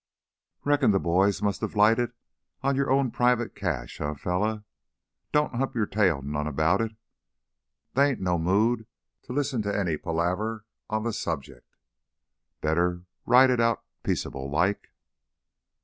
"Reckon the boys must have lighted on your own private cache, eh, fella? Don't hump your tail none 'bout it. They ain't in no mood to listen to any palaver on the subject. Better ride it out peaceablelike."